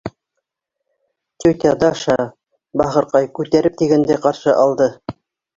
— Тетя Даша, бахырҡай, күтәреп тигәндәй ҡаршы алды.